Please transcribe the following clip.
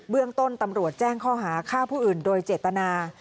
เรื่องต้นตำรวจแจ้งข้อหาฆ่าผู้อื่นโดยเจตนา